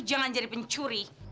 jangan jadi pencuri